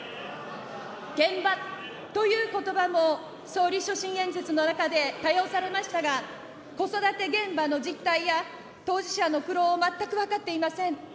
現場ということばも、総理所信演説の中で多用されましたが、子育て現場の実態や、当事者の苦労を全く分かっていません。